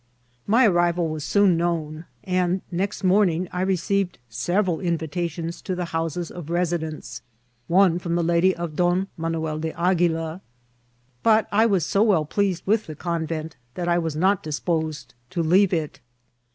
My arrival was soon known, and the next morning I received several invitations to the houses <d residents — one from the lady of Don Manuel de Aguila ; but I was so well pleased with the convent that I was not dispo* sed to leave it.